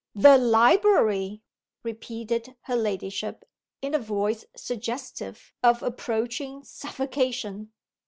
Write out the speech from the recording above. "The library," repeated her ladyship, in a voice suggestive of approaching suffocation.